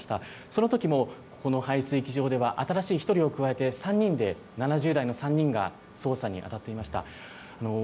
そのときも、この排水機場では、新しい１人を加えて、３人で、７０代の３人が操作に当たっていました。